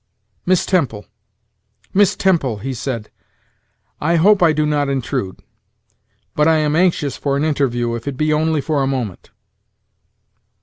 "Miss Temple Miss Temple," he said, "I hope I do not intrude; but I am anxious for an interview, if it be only for a moment."